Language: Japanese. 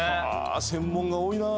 専門が多いな。